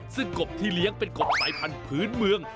ซึ่งกบที่เลี้ยงเป็นกบสายพันธุ์พื้นเมือง